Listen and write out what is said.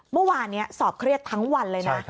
เมื่อวานนี้สอบเครียดทั้งวันเลยนะ